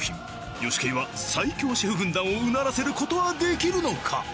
ヨシケイは最強シェフ軍団をうならせる事はできるのか！？